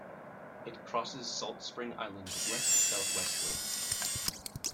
It crosses Salt Spring Island westsouthwestly.